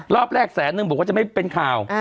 รอบแรกแสนนึงบอกว่าจะไม่เป็นข่าว